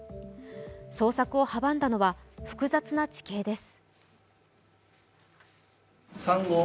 捜索を阻んだのは複雑な地形です。